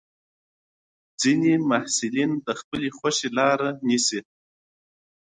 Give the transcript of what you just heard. ځینې محصلین د خپلې خوښې لاره نیسي.